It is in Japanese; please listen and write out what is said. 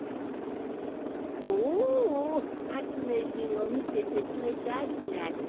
おおはつめいひんをみててくれてありがとう。